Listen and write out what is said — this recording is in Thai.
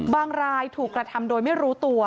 รายถูกกระทำโดยไม่รู้ตัว